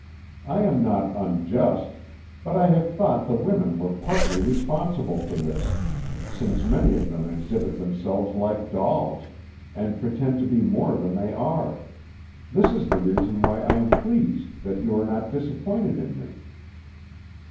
I am not unjust, but I have thought the women were partly responsible for this, since many of them exhibit themselves like dolls, and pretend to be more than they are. This is the reason why I am pleased that you are not disappointed in me."